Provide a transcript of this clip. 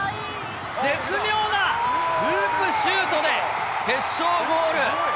絶妙なループシュートで、決勝ゴール。